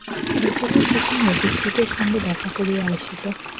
বিকালে শশী ম্যাজিস্ট্রেটের সঙ্গে দেখা করিয়া আসিল।